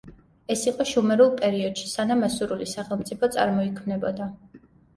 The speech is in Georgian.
ეს იყო შუმერულ პერიოდში, სანამ ასურული სახელმწიფო წარმოიქმნებოდა.